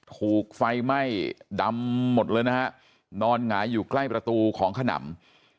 ถูกไฟไหม้ดำหมดเลยนะฮะนอนหงายอยู่ใกล้ประตูของขนำ